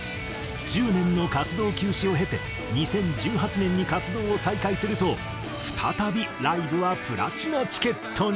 １０年の活動休止を経て２０１８年に活動を再開すると再びライブはプラチナチケットに。